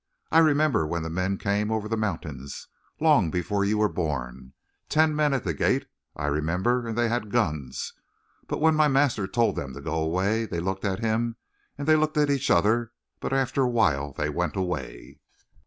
I remember when the men came over the mountains long before you were born. Ten men at the gate, I remember, and they had guns. But when my master told them to go away they looked at him and they looked at each other, but after a while they went away."